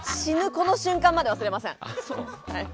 この瞬間まで忘れません！